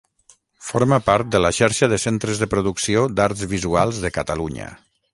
Forma part de la Xarxa de Centres de Producció d'Arts Visuals de Catalunya.